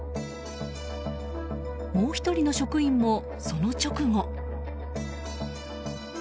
もう１人の職員も、その直後。